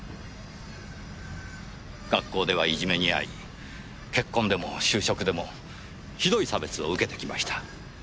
学校ではいじめに遭い結婚でも就職でもひどい差別を受けてきました。